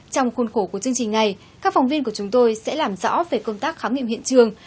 trong khuôn khổ của chương trình này các phóng viên của chúng tôi sẽ làm rõ về công tác khám nghiệm hiện trường